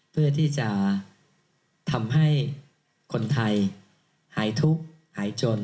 เพื่อที่จะทำให้คนไทยหายทุกข์หายจน